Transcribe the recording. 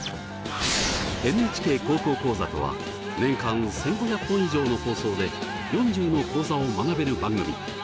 「ＮＨＫ高校講座」とは年間１，５００本以上の放送で４０の講座を学べる番組。